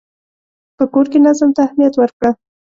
په کور کې نظم ته اهمیت ورکړه.